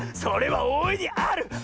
それはおおいにある！